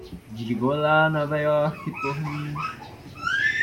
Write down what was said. Diga olá a Nova York por mim.